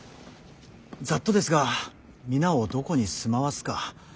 ざっとですが皆をどこに住まわすか。